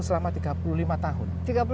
selama tiga puluh lima tahun